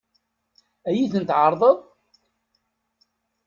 Ad iyi-ten-tɛeṛḍeḍ?